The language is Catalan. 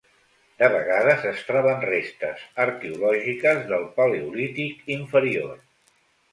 De vegades es troben restes arqueològiques del Paleolític inferior.